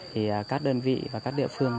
thì các đơn vị và các địa phương